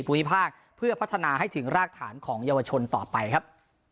ภูมิภาคเพื่อพัฒนาให้ถึงรากฐานของเยาวชนต่อไปครับ